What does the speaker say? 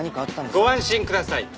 ご安心ください。